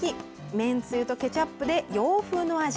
めんつゆとケチャップで洋風の味！